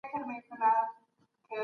لیمو او ګرمې اوبه د زکام لپاره ګټورې دي.